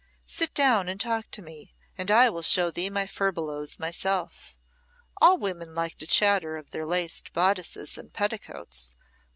Sit down and talk to me, and I will show thee my furbelows myself. All women like to chatter of their laced bodices and petticoats.